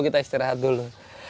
kita istirahat dulu